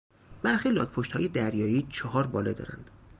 برخی لاکپشتهای دریایی چهار باله دارند.